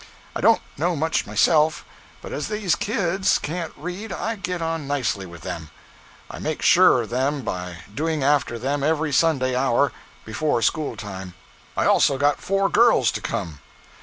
i dont no much myself, but as these kids cant read i get on nicely with them. i make sure of them by going after them every Sunday hour before school time, I also got 4 girls to come.